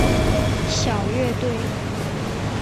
小乐队。